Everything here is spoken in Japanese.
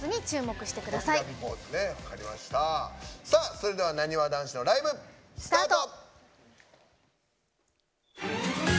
それではなにわ男子のライブ、スタート。